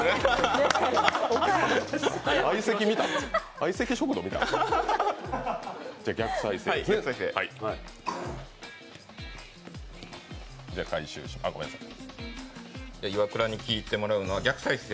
「相席食堂」みたい。